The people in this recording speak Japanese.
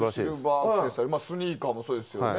スニーカーもそうですよね。